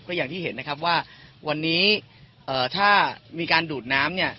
ก็อย่างที่เห็นนะครับว่าวันนี้ถ้ามีการดูดน้ำเนี่ย